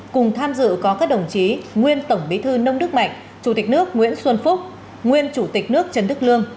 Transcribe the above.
cùng tham dự có các đồng chí nguyên tổng bí thư nông đức mạnh chủ tịch nước nguyễn xuân phúc nguyên chủ tịch nước trần đức lương